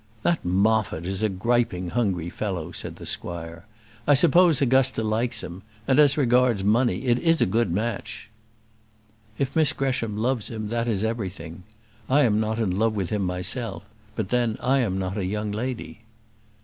"That Moffat is a griping, hungry fellow," said the squire. "I suppose Augusta likes him; and, as regards money, it is a good match." "If Miss Gresham loves him, that is everything. I am not in love with him myself; but then, I am not a young lady."